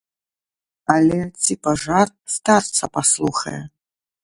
Але ці пажар старца паслухае?